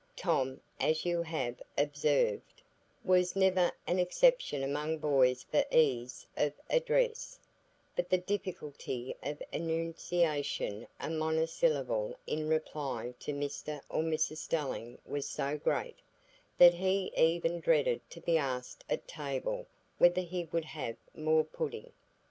Tom, as you have observed, was never an exception among boys for ease of address; but the difficulty of enunciating a monosyllable in reply to Mr or Mrs Stelling was so great, that he even dreaded to be asked at table whether he would have more pudding.